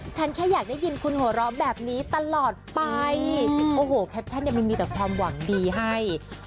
ฉันแค่อยากได้ยินคุณหัวเราะแบบนี้ตลอดไปโอ้โหแคปชั่นเนี่ยมันมีแต่ความหวังดีให้